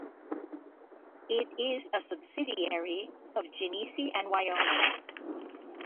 It is a subsidiary of Genesee and Wyoming.